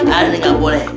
aduh ini ga boleh